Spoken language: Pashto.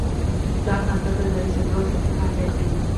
پلان هدف ته د رسیدو اساسي فعالیت دی.